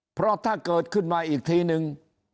เพราะถ้าเกิดขึ้นมาอีกทีนึง